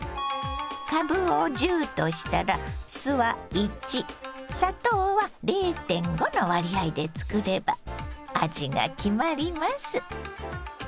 かぶを１０としたら酢は１砂糖は０．５の割合で作れば味が決まります。